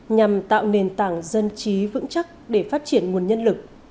nhằm tạo nền tảng dân trí vững chắc để phát triển nguồn nhân lực